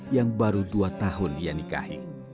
yang baru dua tahun ia nikahi